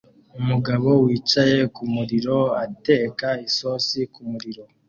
umugabo wicaye kumuriro ateka isosi kumuriro